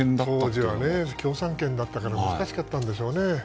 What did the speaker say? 当時は共産圏だったから難しかったんでしょうね。